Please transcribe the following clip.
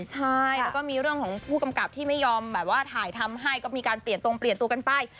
ใช่แล้วก็มีเรื่องของผู้กำกับที่ไม่ยอมแบบว่าถ่ายทำให้ก็มีการเปลี่ยนตรงเปลี่ยนตัวกันไป